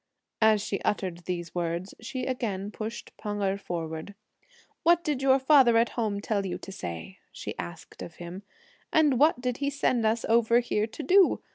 As she uttered these words, she again pushed Pan Erh forward. "What did your father at home tell you to say?" she asked of him; "and what did he send us over here to do?